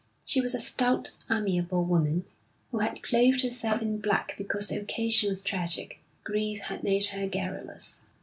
She was a stout, amiable woman, who had clothed herself in black because the occasion was tragic. Grief had made her garrulous.